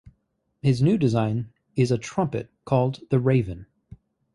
His new design is a trumpet called "The Raven".